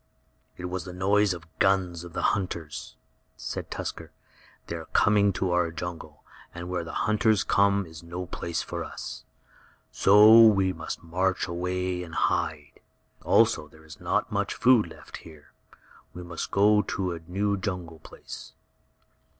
"It was the noise of the guns of the hunters," said Tusker. "They are coming to our jungle, and where the hunters come is no place for us. So we must march away and hide. Also there is not much food left here. We must go to a new jungle place."